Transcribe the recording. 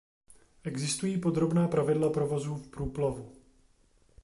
Existují podrobná pravidla provozu v průplavu.